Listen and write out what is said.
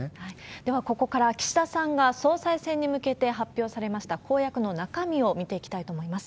では、ここから岸田さんが総裁選に向けて発表されました、公約の中身を見ていきたいと思います。